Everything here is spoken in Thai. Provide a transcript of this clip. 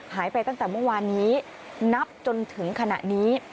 หายไปตั้งแต่เมื่อวานนี้นับจนถึงขณะนี้